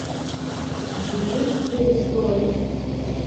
Зегьы шәгәыдыскылоит!